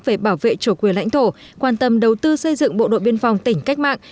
về bảo vệ chủ quyền lãnh thổ quan tâm đầu tư xây dựng bộ đội biên phòng tỉnh cách mạng